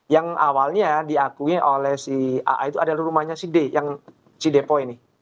yang awalnya diakui oleh si caa itu adalah rumahnya si depoi ini